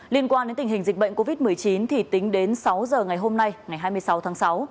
liên quan đến tình hình dịch bệnh covid một mươi chín thì tính đến sáu giờ ngày hôm nay ngày hai mươi sáu tháng sáu